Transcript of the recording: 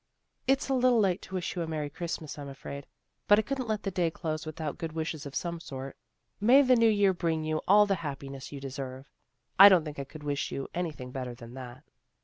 " It's a little late to wish you a Merry Christ mas, I'm afraid. But I couldn't let the day close without good wishes of some sort. May the new year bring you all the happiness you deserve. I don't think I could wish you any thing better than that."